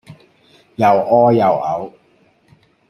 又屙又嘔